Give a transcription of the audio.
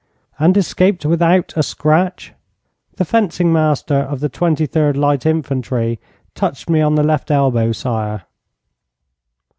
'And escaped without a scratch?' 'The fencing master of the 23rd Light Infantry touched me on the left elbow, sire.'